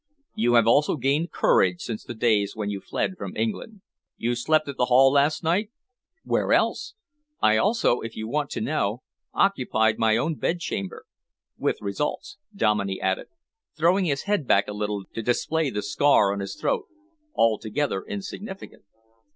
"You have also gained courage since the days when you fled from England. You slept at the Hall last night?" "Where else? I also, if you want to know, occupied my own bedchamber with results," Dominey added, throwing his head a little back, to display the scar on his throat, "altogether insignificant."